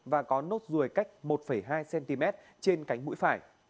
và có nốt ruồi cách một hai cm trên cánh mũi phải